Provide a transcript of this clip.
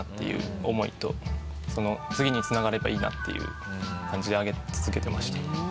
いう思いと次に繋がればいいなっていう感じで上げ続けてました。